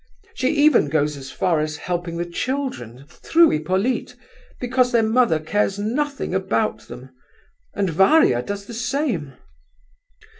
She even goes as far as helping the children, through Hippolyte, because their mother cares nothing about them, and Varia does the same."